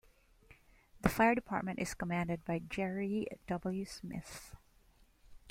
The fire department is commanded by Jerry W. Smith.